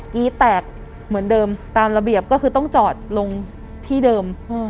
กี้แตกเหมือนเดิมตามระเบียบก็คือต้องจอดลงที่เดิม